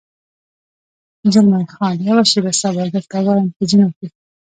زلمی خان: یوه شېبه صبر، درته وایم، په زینو کې.